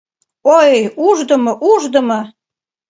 Ой, ушдымо, ушдымо...